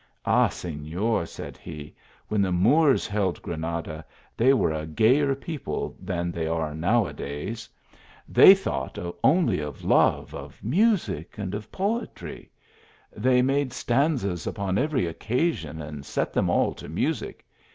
"Ah! Senor," said he, "when the Moors held Granada, they were a gayer people than they are uow a days. They thought only of love, of music, TICJ of poetry. They made stanzas upon every oc casion, and set them all to music.